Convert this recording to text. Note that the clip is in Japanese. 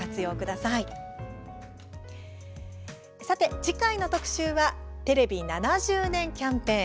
さて、次回の特集は「テレビ７０年キャンペーン」。